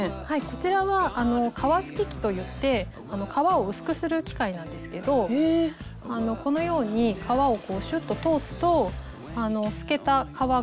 こちらは革すき機といって革を薄くする機械なんですけどこのように革をこうシュッと通すとすけた革が下から出てきます。